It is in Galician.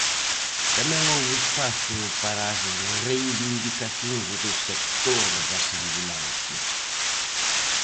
Tamén houbo espazo para as reivindicacións do sector das ambulancias.